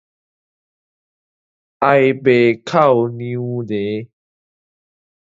哀爸哭娘嬭